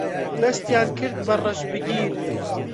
دەستیان کرد بە ڕەشبگیر